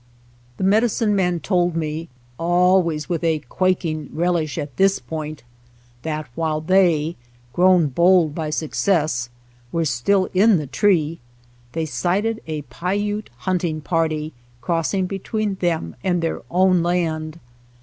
The medicine man told me, always with a quaking relish at this point, that while they, grown bold by success, were still in the tree, they sighted a Paiute hunting party crossing between them and their own land.